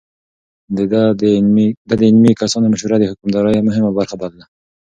ده د علمي کسانو مشورې د حکومتدارۍ مهمه برخه بلله.